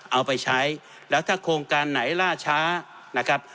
เอาไปใช้แล้วถ้าโครงการไหนล่าช้านะครับ